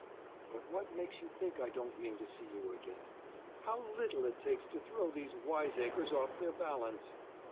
"But what makes you think I don't mean to see you again? How little it takes to throw these wiseacres off their balance!